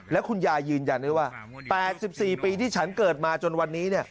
แล้วคุณยายยืนยันด้วยว่า๘๔ปีที่ฉันเกิดมาจนวันนี้